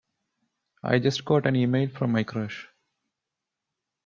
I just got an e-mail from my crush!